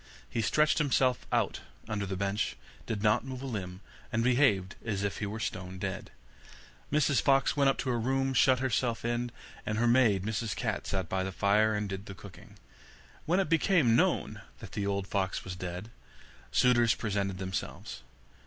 He stretched himself out under the bench, did not move a limb, and behaved as if he were stone dead. Mrs Fox went up to her room, shut herself in, and her maid, Miss Cat, sat by the fire, and did the cooking. When it became known that the old fox was dead, suitors presented themselves.